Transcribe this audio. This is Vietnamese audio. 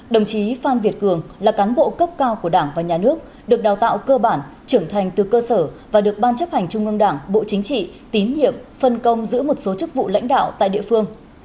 đồng chí phan việt cường là cán bộ cấp cao của đảng và nhà nước được đào tạo cơ bản trưởng thành từ cơ sở và được ban chấp hành trung ương đảng bộ chính trị tín nhiệm phân công giữ một số chức vụ lãnh đạo tại địa phương